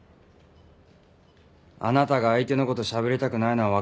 あなたが相手の事しゃべりたくないのはわかります。